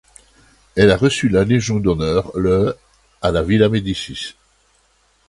Elle a reçu la légion d'honneur le à la villa Médicis.